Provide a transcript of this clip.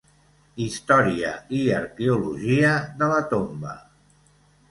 Història i arqueologia de la tomba.